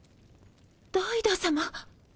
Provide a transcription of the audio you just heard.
ダイダ様。